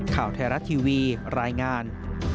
ข่าวไทยรัฐทีวีรายงาน